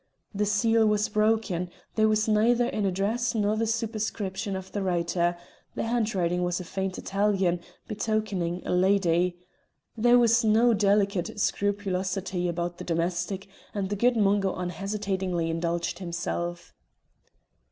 The seal was broken, there was neither an address nor the superscription of the writer; the handwriting was a faint Italian, betokening a lady there was no delicate scrupulosity about the domestic, and the good Mungo unhesitatingly indulged himself.